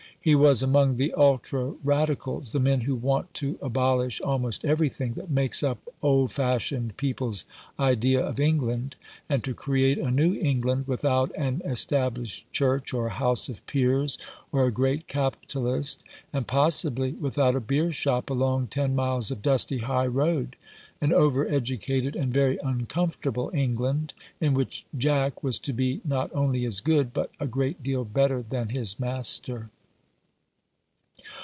He was among the ultra Radicals, the men who want to abolish almost everything that makes up old fashioned people's idea of England, and to create a new England, without an established Church, or a House of Peers, or a great Capitalist, and possibly without a beer shop along ten miles of dusty high road — an over educated and very uncomfortable England, in which Jack was to be not only as good, but a great deal better than his Master.